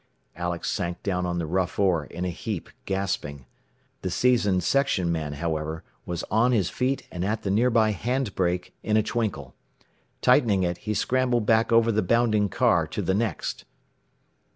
Alex sank down on the rough ore in a heap, gasping. The seasoned section man, however, was on his feet and at the nearby hand brake in a twinkle. Tightening it, he scrambled back over the bounding car to the next.